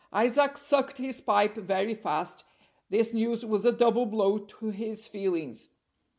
Isaac sucked his pipe very fast; this news was a double blow to his feelings.